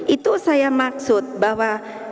itu saya maksud bahwa